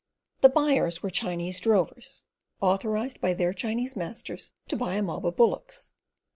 The buyers were Chinese drovers, authorised by their Chinese masters to buy a mob of bullocks.